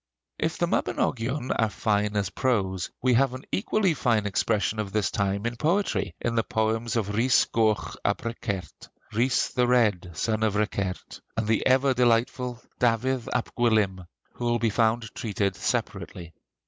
If the 'Mabinogion' are fine as prose, we have an equally fine expression of this time in poetry, in the poems of Rhys Goch ab Rhicert (Rhys the Red, son of Rhicert) and the ever delightful Dafydd ab Gwilym, who will be found treated separately.